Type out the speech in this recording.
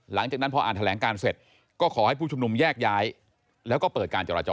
หลังจากนั้นพออ่านแถลงการเสร็จก็ขอให้ผู้ชุมนุมแยกย้ายแล้วก็เปิดการจราจร